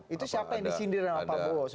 itu siapa yang disindir kang prabowo